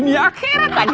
dunia akhirat tadi